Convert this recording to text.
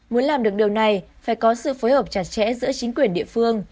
muốn làm được điều này phải có sự phối hợp chặt chẽ giữa chính quyền địa phương